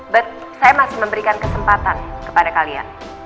but saya masih memberikan kesempatan kepada kalian